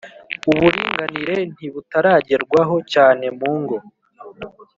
uburinganire ntibutaragerwaho cyane mu ngo